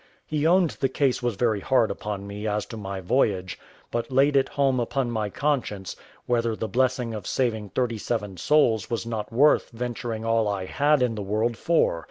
He owned the case was very hard upon me as to my voyage; but laid it home upon my conscience whether the blessing of saving thirty seven souls was not worth venturing all I had in the world for.